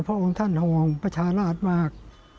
เพราะองค์ท่านห่วงพระศาลาษม์มาก